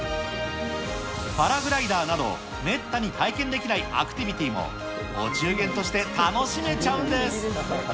パラグライダーなど、めったに体験できないアクティビティーもお中元として楽しめちゃうんです。